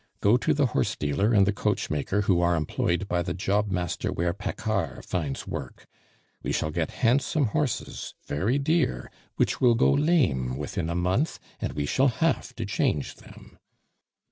Go to the horse dealer and the coachmaker who are employed by the job master where Paccard finds work. We shall get handsome horses, very dear, which will go lame within a month, and we shall have to change them."